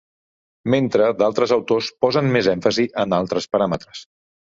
Mentre d'altres autors posen més èmfasi en altres paràmetres.